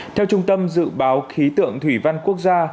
theo trung tâm dự báo khí tượng thủy văn quốc gia